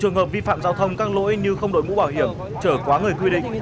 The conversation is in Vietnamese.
giao thông căng lỗi như không đổi mũ bảo hiểm trở quá người quy định